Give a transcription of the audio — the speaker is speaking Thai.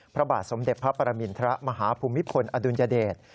พระบาทสมเด็จพระปรมินทรมาฮภูมิพลอดุลยเดช